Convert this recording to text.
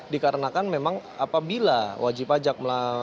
dikarenakan memang apabila wajib pajak